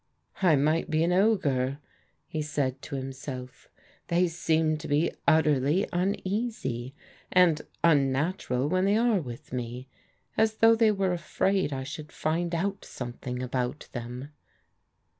"I might be an ogre," he said to himself. *'They seem to be utterly tmeasy, and tmnatural when they are ?dth me, as though they were afraid I should find out something about Uiem.